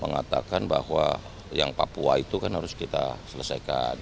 mengatakan bahwa yang papua itu kan harus kita selesaikan